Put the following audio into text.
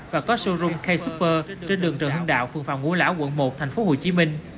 và có showroom k super trên đường trường hương đạo phường phạm ngũ lão quận một tp hcm